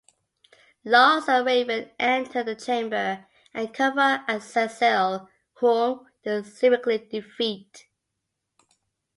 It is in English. Lars and Raven enter the chamber and confront Azazel, whom they seemingly defeat.